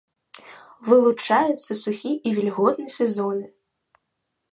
Вылучаюцца сухі і вільготны сезоны.